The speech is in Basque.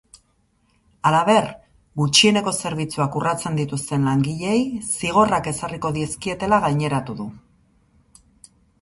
Halaber, gutxieneko zerbitzuak urratzen dituzten langileei zigorrak ezarriko dizkietela gaineratu du.